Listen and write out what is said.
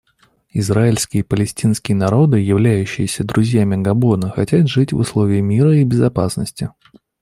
Израильский и палестинский народы, являющиеся друзьями Габона, хотят жить в условиях мира и безопасности.